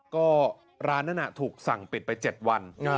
ก็ร้านนั้นถูกสั่งปิดไป๗วัน